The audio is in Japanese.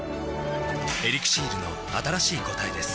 「エリクシール」の新しい答えです